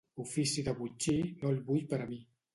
Ofici de botxí no el vull per a mi.